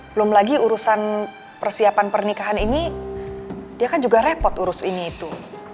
belum lagi urusan persiapan pernikahan ini dia kan juga repot urusan ini itu